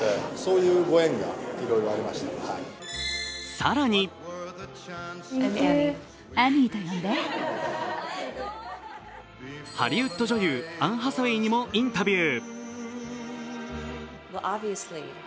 更にハリウッド女優、アン・ハサウェイにもインタビュー。